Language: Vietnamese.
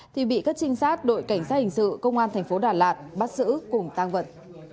thì bị các trinh sát đội cảnh sát hình sự công an thành phố đà lạt bắt giữ cùng tăng vật